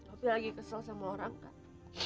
tapi lagi kesel sama orang kak